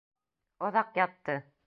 Оҙаҡ ятты.